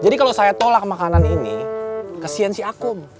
jadi kalau saya tolak makanan ini kesian si aku